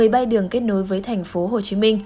một mươi bay đường kết nối với tp hcm